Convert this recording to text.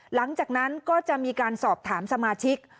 หลังจากนั้นก็จะมีการสอบถามสมาชิก